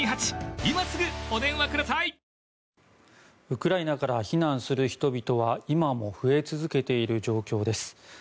ウクライナから避難する人々は今も増えて続けている状況です。